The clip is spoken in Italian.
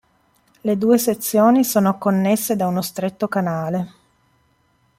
Le due sezioni sono connesse da uno stretto canale.